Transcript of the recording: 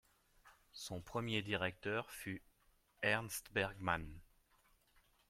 Son premier directeur fut Ernst Bergmann.